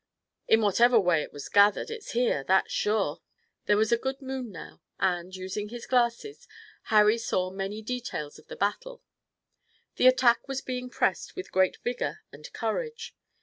"In whatever way it was gathered, it's here, that's sure." There was a good moon now, and, using his glasses, Harry saw many details of the battle. The attack was being pressed with great vigor and courage.